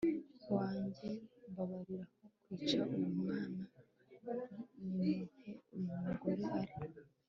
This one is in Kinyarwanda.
wange, mbabarira! aho kwica uwo mwana, nimumuhe uyu mugore ari